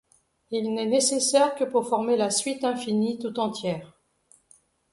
Il n'est nécessaire que pour former la suite infinie tout entière.